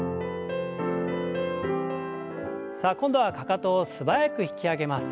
さあ今度はかかとを素早く引き上げます。